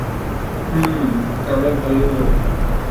হুম, কামাই ভালো হয়।